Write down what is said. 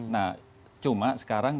nah cuma sekarang